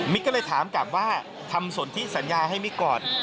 ก็เลยถามกลับว่าทำสนทิสัญญาให้มิกก่อน